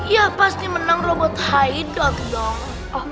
ya pasti menang robot haidot dong